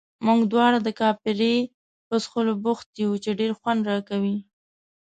موږ دواړه د کاپري په څښلو بوخت یو، چې ډېر خوند راکوي.